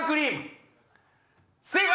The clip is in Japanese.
正解！